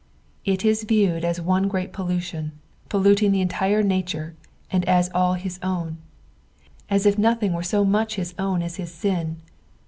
It i.t viewed as one great pollution, polluting the entire nature, and us all his own ; as if nothing were so much bis own as his sin.